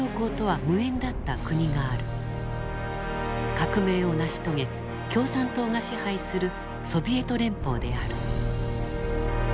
革命を成し遂げ共産党が支配するソビエト連邦である。